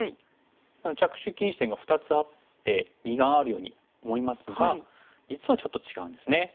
なので着手禁止点が２つあって二眼あるように思いますが実はちょっと違うんですね。